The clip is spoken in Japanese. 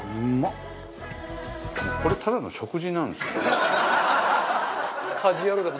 これただの食事なんですよ。